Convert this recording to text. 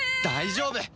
大丈夫。